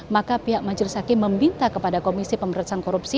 maka pihak majelis haki membinta kepada komisi pemeriksaan korupsi